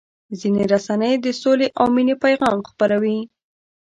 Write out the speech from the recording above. ځینې رسنۍ د سولې او مینې پیغام خپروي.